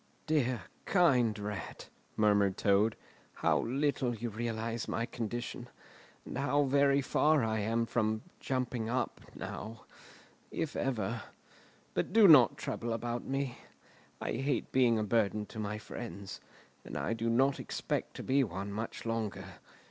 "Dear, kind Rat," murmured Toad, "how little you realise my condition, and how very far I am from 'jumping up' now—if ever! But do not trouble about me. I hate being a burden to my friends, and I do not expect to be one much longer.